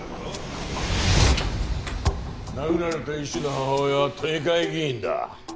殴られた医師の母親は都議会議員だ。